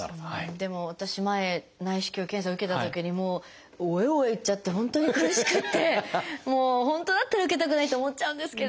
でも私前内視鏡検査受けたときにもうおえっおえっいっちゃって本当に苦しくて本当だったら受けたくないって思っちゃうんですけれども。